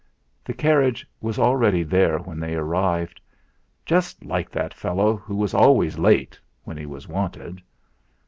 The carriage was already there when they arrived. Just like that fellow, who was always late when he was wanted!